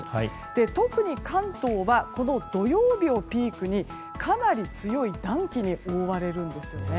特に関東はこの土曜日をピークにかなり強い暖気に覆われるんですよね。